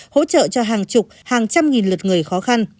hỗ trợ cho hàng chục hàng trăm nghìn lượt người khó khăn